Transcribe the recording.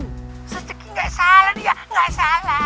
gak salah dia gak salah